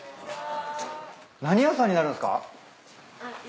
何屋さんになるんすか？